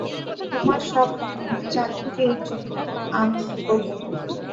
তোমার সব রকম চাতুরীর জন্যই আমি প্রস্তুত।